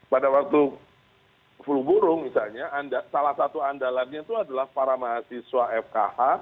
pada waktu flu burung misalnya salah satu andalannya itu adalah para mahasiswa fkh